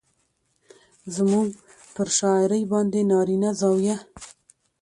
زموږ پر شاعرۍ باندې نارينه زاويه